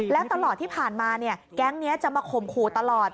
แล้วตลอดที่ผ่านมาแก๊งนี้จะมาข่มขู่ตลอด